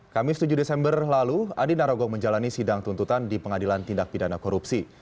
kamis tujuh desember lalu andi narogong menjalani sidang tuntutan di pengadilan tindak pidana korupsi